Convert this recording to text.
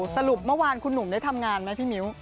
สรุปเมื่อวานคุณหนุ่มได้ทำงานไหมพี่มิ้ว